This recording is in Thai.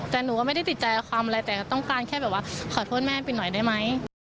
แต่หนูก็ไม่ได้ติดใจเอาความอะไรแต่ต้องการแค่แบบว่าขอโทษแม่ไปหน่อยได้ไหม